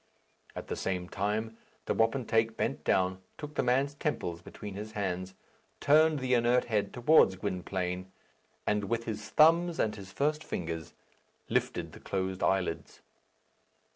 At the same time, the wapentake bent down, took the man's temples between his hands, turned the inert head towards Gwynplaine, and with his thumbs and his first fingers lifted the closed eyelids.